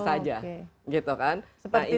saja gitu kan seperti